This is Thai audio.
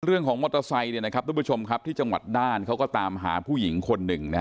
เรื่องของมอเตอร์ไซค์ที่จังหวัดด้านเขาก็ตามหาผู้หญิงคนหนึ่ง